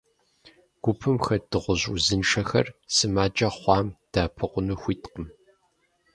Гупым хэт дыгъужь узыншэхэр сымаджэ хъуам дэӏэпыкъуну хуиткъым.